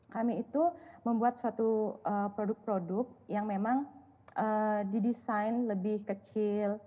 kami itu membuat suatu produk produk yang memang didesain lebih kecil